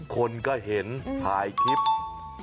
คนก็เห็นถ่ายคลิปไม่ห้าม